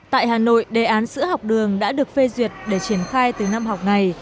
tại hà nội đề án sữa học đường đã được phê duyệt để triển khai từ năm học này